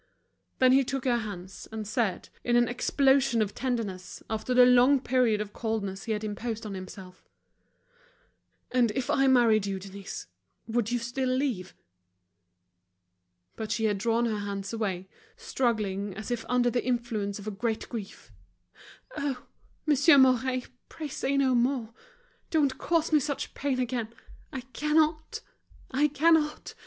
Then he took her hands, and said, in an explosion of tenderness, after the long period of coldness he had imposed on himself: "And if I married you, Denise, would you still leave?" But she had drawn her hands away, struggling as if under the influence of a great grief. "Oh! Monsieur Mouret. Pray say no more. Don't cause me such pain again! I cannot! I cannot!